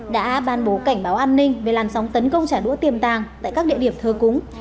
đã ban bố cảnh báo an ninh về làn sóng tấn công trả đũa tiềm tàng tại các địa điểm thờ cúng